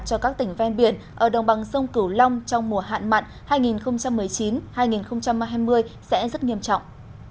cho các tỉnh ven biển ở đồng bằng sông cửu long trong mùa hạn mặn hai nghìn một mươi chín hai nghìn hai mươi sẽ rất nghiêm trọng